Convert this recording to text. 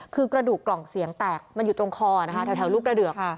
คือกระดูกกล่องเสียงแตกมันอยู่ตรงคอนะคะแถวลูกกระเดือก